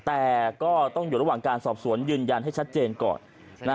แต่ก็ต้องอยู่ระหว่างการสอบสวนยืนยันให้ชัดเจนก่อน